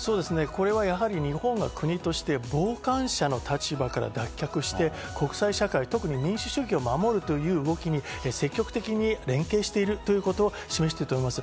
これは日本が国として傍観者の立場から脱却して国際社会、特に民主主義を守るという動きに、積極的に連携しているということを示していると思います。